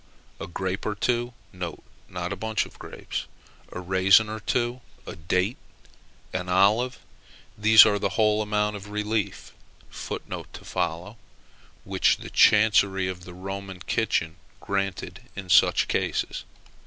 A grape or two, (not a bunch of grapes,) a raisin or two, a date, an olive these are the whole amount of relief which the chancery of the Roman kitchen granted in such cases.